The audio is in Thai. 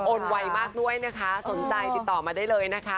ไวมากด้วยนะคะสนใจติดต่อมาได้เลยนะคะ